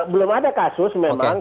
belum ada kasus memang